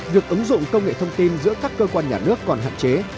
việc ứng dụng công nghệ thông tin giữa các cơ quan nhà nước còn hạn chế